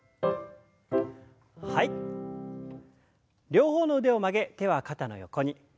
両方の腕を曲げ手は肩の横に。